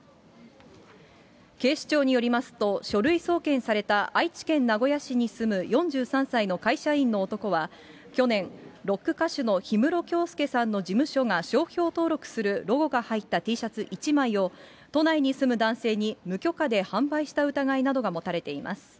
警視庁によりますと、書類送検された愛知県名古屋市に住む４３歳の会社員の男は、去年、ロック歌手の氷室京介さんの事務所が商標登録するロゴが入ったＴシャツ１枚を、都内に住む男性に無許可で販売した疑いなどが持たれています。